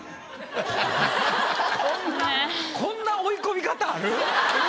こんなこんな追い込み方ある？